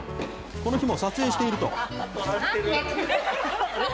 この日も撮影していると。